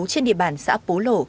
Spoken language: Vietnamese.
trên địa bàn xã pố lổ